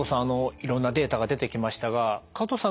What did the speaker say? いろんなデータが出てきましたが加藤さん